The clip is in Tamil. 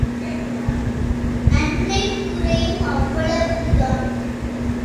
நன்மை குறையும், அவ்வளவுதான்.